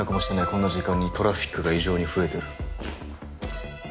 こんな時間にトラフィックが異常に増えてる。